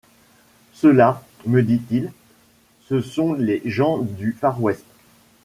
Ceux-là, me dit-il, ce sont les gens du Far-West.